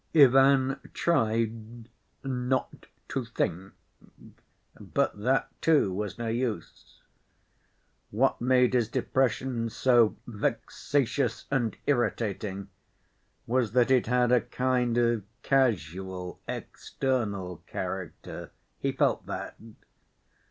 Ivan tried "not to think," but that, too, was no use. What made his depression so vexatious and irritating was that it had a kind of casual, external character—he felt that.